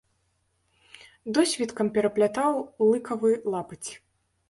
Досвіткам пераплятаў лыкавы лапаць.